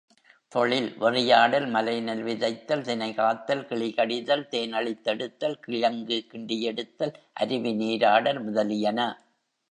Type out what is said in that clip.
தொழில் வெறியாடல், மலைநெல் விதைத்தல், தினைகாத்தல், கிளிகடிதல், தேனழித் தெடுத்தல், கிழங்கு கிண்டியெடுத்தல், அருவி நீராடல் முதலியன.